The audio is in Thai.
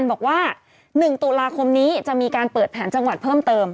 บอกว่า๑ตุลาคมนี้จะมีการเปิดแผนจังหวัดเพิ่มเติม